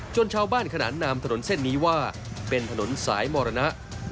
ชาวบ้านขนานนามถนนเส้นนี้ว่าเป็นถนนสายมรณะ